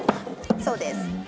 そうです。